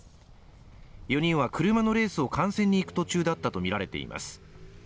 ４人は車のレースを観戦に行く途中だったとみられています。